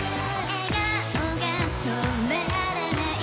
笑顔が止まらない！